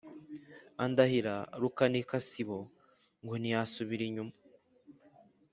andahira rukanikasibo, ngo ntiyasubira inyuma,